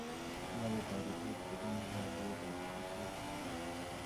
kimoche toretet kobunu kandoikab kokwe